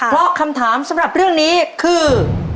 เพราะคำถามสำหรับเรื่องนี้คือ